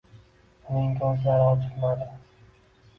Uning ko`zlari ochilmadi